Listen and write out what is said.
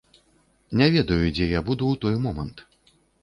Не ведаю, дзе я буду ў той момант.